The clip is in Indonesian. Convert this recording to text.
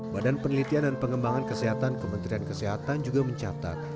badan penelitian dan pengembangan kesehatan kementerian kesehatan juga mencatat